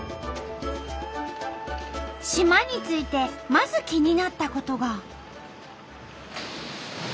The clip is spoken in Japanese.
島に着いてまず気になったことが。